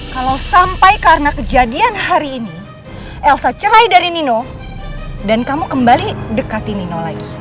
kalau sampai karena kejadian hari ini elsa cerai dari nino dan kamu kembali dekati nino lain